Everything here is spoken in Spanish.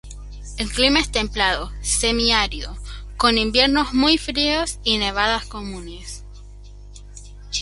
El clima es templado semiárido, con inviernos muy fríos y nevadas comunes.